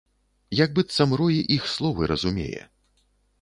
Як быццам рой іх словы разумее.